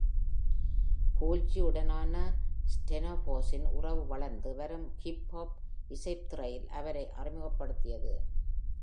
Cool G உடனான ஸ்டெஃபான்ஸின் உறவு வளர்ந்து வரும் ஹிப் ஹாப் இசைத் துறையில் அவரை அறிமுகப்படுத்தியது.